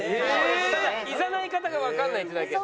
ただいざない方がわからないってだけで。